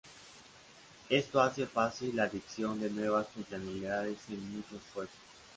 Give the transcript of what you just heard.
Esto hace fácil la adición de nuevas funcionalidades sin mucho esfuerzo.